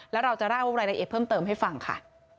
แล้วเราจะเล่ารายละเอียดเพิ่มเติมให้ฟังค่ะ